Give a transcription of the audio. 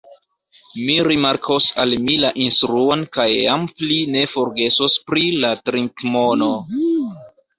Mi rimarkos al mi la instruon kaj jam pli ne forgesos pri la trinkmono.